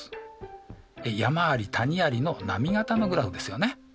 山あり谷ありの波形のグラフですよね。